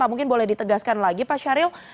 mungkin boleh ditegaskan lagi pak syahril